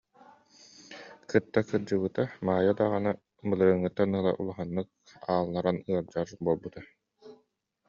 Кытта кырдьыбыта Маайа даҕаны былырыыҥҥыттан ыла улаханнык аалларан ыалдьар буолла